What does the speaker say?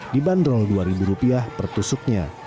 dibanderol rp dua per tusuknya